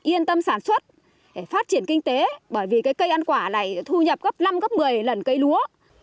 yên tâm sản xuất phát triển kinh tế bởi vì cái cây ăn quả này thu nhập gấp năm gấp một mươi lần cây lúa